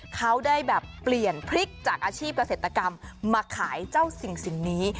เขาได้แบบเปลี่ยนพริกจากอาชีพเกษตรกรรมมาขายเจ้าสิ่งนี้